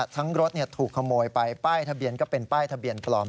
รถถูกขโมยไปป้ายทะเบียนก็เป็นป้ายทะเบียนปลอม